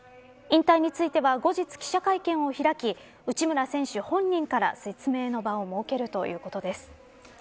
引退については後日、記者会見を開き内村選手本人から説明の場を設けるということです。